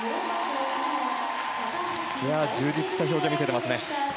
充実した表情を見せてますね。